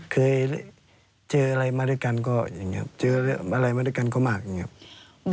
เคยเจออะไรมาด้วยกันก็อย่างนี้ครับเจออะไรมาด้วยกันก็มากอย่างนี้ครับ